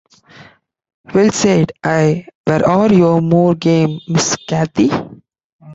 ‘Well,’ said I, ‘where are your moor-game, Miss Cathy?'